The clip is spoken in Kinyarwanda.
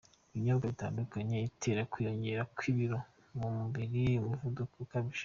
binyobwa bitandukanye itera; Kwiyongera kw’ibiro mu mubiri, umuvuduko ukabije